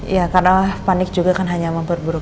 ya karena panik juga kan hanya memperburuk